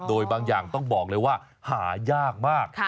โดยบางอย่างต้องบอกเลยว่าหายากมาก